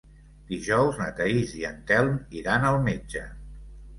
Dijous na Thaís i en Telm iran al metge.